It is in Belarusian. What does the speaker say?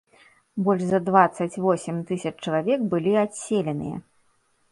Больш за дваццаць восем тысяч чалавек былі адселеныя.